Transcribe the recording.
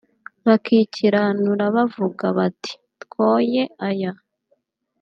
bakikiranura bavuga bati “Twoye ayo